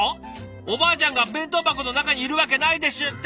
おばあちゃんが弁当箱の中にいるわけないですって。